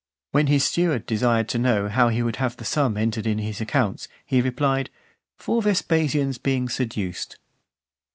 When his steward desired to know how he would have the sum entered in his accounts, he replied, "For Vespasian's being seduced."